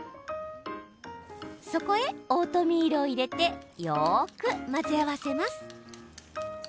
そこへ、オートミールを入れてよく混ぜ合わせます。